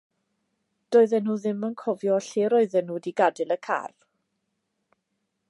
Doedden nhw ddim yn cofio lle roedden nhw wedi gadael y car.